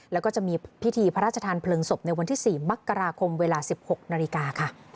แล้วก็จะมีพิธีพระราชทานเพลิงศพในวันที่๔มกราคมเวลา๑๖นาฬิกาค่ะ